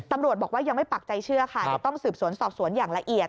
ตำรวจบอกว่ายังไม่ปักใจเชื่อค่ะเดี๋ยวต้องสืบสวนสอบสวนอย่างละเอียด